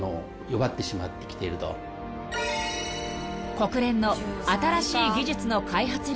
［国連の新しい技術の開発力